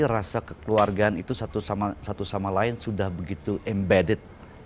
rasa kekeluargaan itu satu sama lain sudah begitu embedded